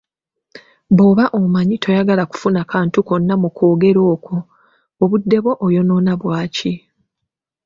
Bw'oba omanyi toyagala kufuna kantu konna mu kwogera okwo, obudde bwo oyonoona bwaki?